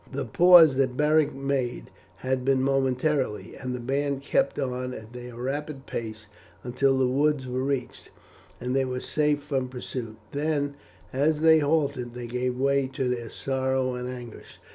The pause that Beric made had been momentary, and the band kept on at their rapid pace until the woods were reached, and they were safe from pursuit; then, as they halted, they gave way to their sorrow and anguish.